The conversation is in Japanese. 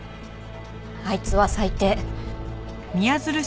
あいつは最低。